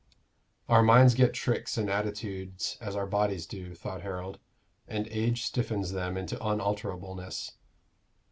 Our minds get tricks and attitudes as our bodies do, thought Harold, and age stiffens them into unalterableness.